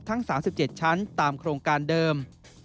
ทั้ง๓๗ชั้นตามโครงการเดิม